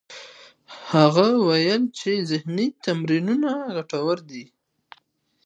هغه وویل چې ذهنې تمرینونه ګټور دي.